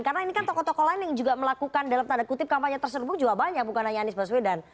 karena ini kan tokoh tokoh lain yang juga melakukan dalam tanda kutip kampanye terserbuk juga banyak bukan hanya anies baswedan